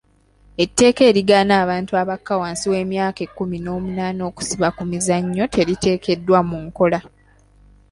Etteeka erigaana abantu abakka wansi w'emyaka ekkumi n'omunaana okusiba ku mizannyo teriteekeddwa mu nkola.